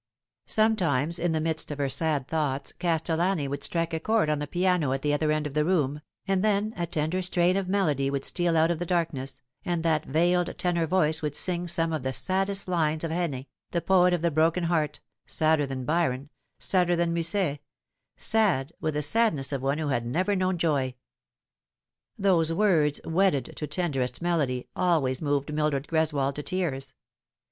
Sometimes in the midst of her sad thoughts Castellani would strike a chord on the piano at the other end of the room, and The Time has Come. 215 then a tender strain of melody would steal out of the darkness, and that veiled tenor voice would sing some of the saddest lines of Heine, the poet of the broken heart, sadder than Byron, sadder than Musset, sad with the sadness of one who had never known joy. Those words wedded to tenderest melody always moved Mildred Greswold to tears.